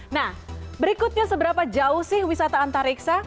nah berikutnya seberapa jauh sih wisata antariksa